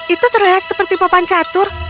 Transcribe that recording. itu terlihat seperti papan catur